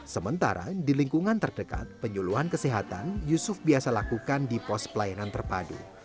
sementara di lingkungan terdekat penyuluhan kesehatan yusuf biasa lakukan di pos pelayanan terpadu